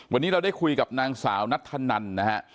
วันนี้เราได้คุยกับนางสาวนัทธนันนะฮะ